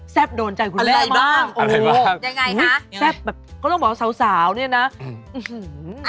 แซ่บโดนใจคุณมากโอ้โหแซ่บแบบก็ต้องบอกสาวเนี่ยนะอื้อหือ